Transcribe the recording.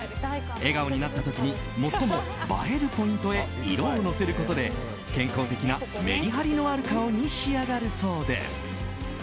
笑顔になった時に最も映えるポイントへ色をのせることで健康的なメリハリのある顔に仕上がるそうです。